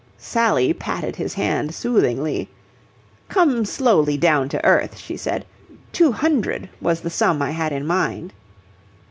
Sally patted his hand soothingly. "Come slowly down to earth," she said. "Two hundred was the sum I had in mind."